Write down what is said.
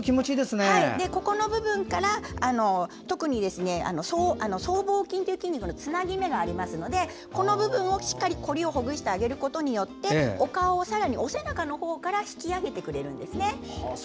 ここの部分から特に僧帽筋という筋肉のつなぎ目がありますのでこの部分の凝りをほぐすことでお顔をさらにお背中のほうから引き上げてくれるんですね。